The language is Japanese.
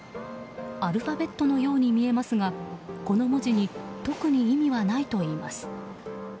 アルファベットのように見えますがこの文字に特に意味はないといいます。